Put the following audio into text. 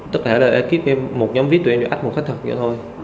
tức là ở đây một nhóm vip tụi em đều ách một khách thật vậy thôi